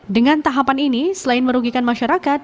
dengan tahapan ini selain merugikan masyarakat